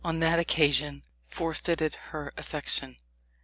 that occasion forfeited her affection.